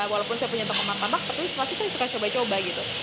walaupun saya punya toko martabak tapi saya suka coba coba gitu